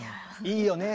「いいよね。